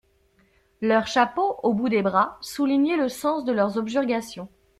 Leurs chapeaux, au bout des bras, soulignaient le sens de leurs objurgations.